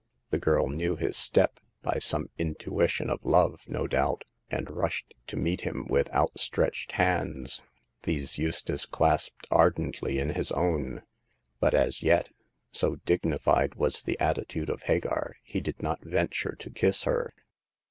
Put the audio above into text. The girl knew his step — by some intuition of love, no doubt — and rushed to meet him with outstretched hands. These Eustace clasped ardently in his own ; but as yet — so dignified was the attitude of Hagar — he did not venture to kiss her.